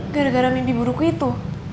gara gara mimpi burukku itu